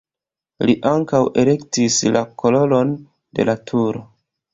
Li ankaŭ elektis la koloron de la turo.